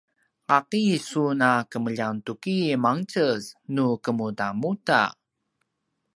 ’aki sun a kemljang tuki mangtjez nu kemudamuda?